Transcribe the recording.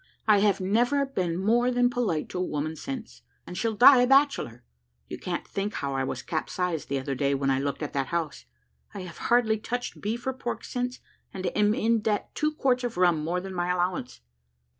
I have never been more than polite to a woman since, and shall die a bachelor. You can't think how I was capsized the other day, when I looked at the house: I have hardly touched beef or pork since, and am in debt two quarts of rum more than my allowance."